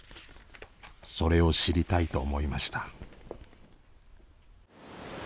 それを知りたいと思いました。